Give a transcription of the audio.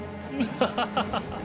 ハハハハハ。